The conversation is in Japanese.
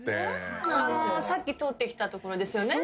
さっき通ってきたところですよね。